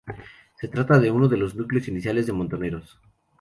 Se trata de uno de los núcleos iniciales de Montoneros.